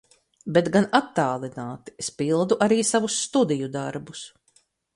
Bet gan attālināti, es pildu arī savus studiju darbus.